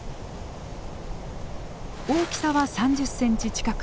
大きさは３０センチ近く。